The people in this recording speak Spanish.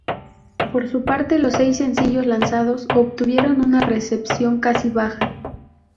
Por su parte, los seis sencillos lanzados, obtuvieron una recepción casi baja.